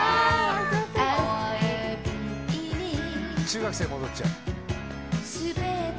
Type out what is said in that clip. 中学生戻っちゃう。